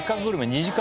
２時間